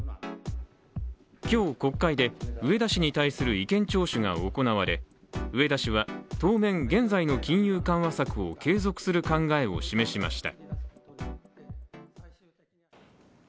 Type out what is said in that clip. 今日、国会で植田氏に対する意見聴取が行われ、植田氏は当面、現在の金融緩和策を継続する考えを示しました。